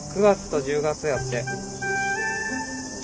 ９月と１０月やって。